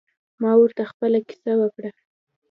ما ورته خپله کیسه وکړه.